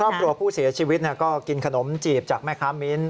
ครอบครัวผู้เสียชีวิตก็กินขนมจีบจากแม่ค้ามิ้นท